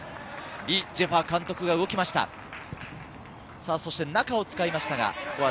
リ・ジェファ監督が動きました。